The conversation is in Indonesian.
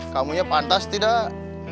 kamunya pantas tidak